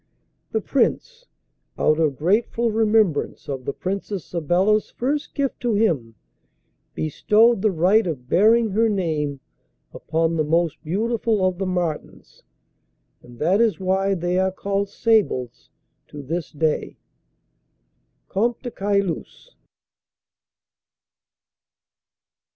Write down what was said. The Prince, out of grateful remembrance of the Princess Sabella's first gift to him bestowed the right of bearing her name upon the most beautiful of the martens, and that is why they are called sables to this day. Comte de Caylus.